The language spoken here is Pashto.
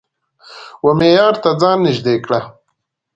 و معیار ته ځان نژدې کړه